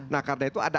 nah karena itu ada